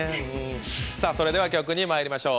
それでは曲にまいりましょう。